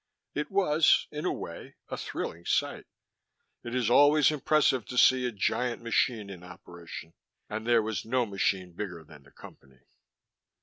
It was in a way a thrilling sight. It is always impressive to see a giant machine in operation, and there was no machine bigger than the Company.